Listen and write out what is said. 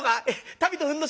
「足袋とふんどしが」。